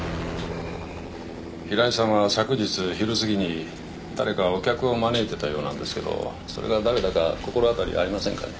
平井さんは昨日昼すぎに誰かお客を招いてたようなんですけどそれが誰だか心当たりありませんかね？